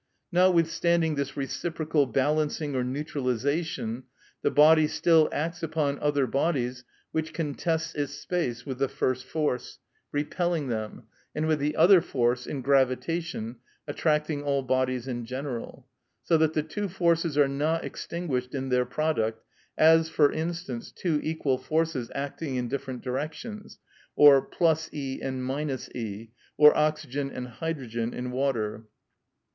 Notwithstanding this reciprocal balancing or neutralisation, the body still acts upon other bodies which contest its space with the first force, repelling them, and with the other force, in gravitation, attracting all bodies in general. So that the two forces are not extinguished in their product, as, for instance, two equal forces acting in different directions, or +E and E, or oxygen and hydrogen in water.